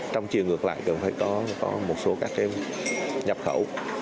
trong chiều ngược lại cần phải có một số các cái nhập khẩu